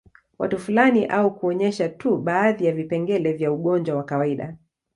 Watu fulani au kuonyesha tu baadhi ya vipengele vya ugonjwa wa kawaida